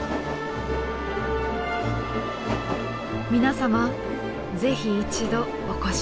皆様是非一度お越しやす。